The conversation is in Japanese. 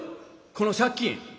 この借金。